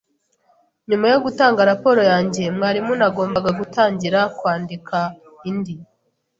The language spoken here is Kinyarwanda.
Nyuma yo gutanga raporo yanjye mwarimu, nagombaga gutangira kwandika indi.